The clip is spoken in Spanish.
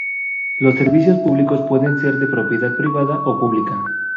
Los servicios públicos pueden ser de propiedad privada o pública.